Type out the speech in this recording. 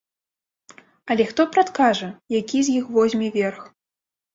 Але хто прадкажа, які з іх возьме верх?